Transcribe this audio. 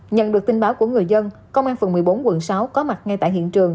nhận được tin báo của người dân công an phường một mươi bốn quận sáu có mặt ngay tại hiện trường